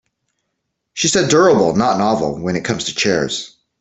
She said durable not novel when it comes to chairs.